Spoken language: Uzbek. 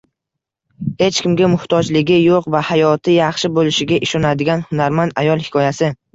Hech kimga muhtojligi yo‘q va hayoti yaxshi bo‘lishiga ishonadigan hunarmand ayol hikoyasi